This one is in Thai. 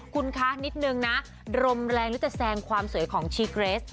คุณคะนิดนึงนะลมแรงหรือจะแซงความสวยของชีเกรส